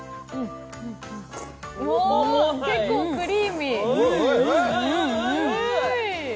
結構クリーミー。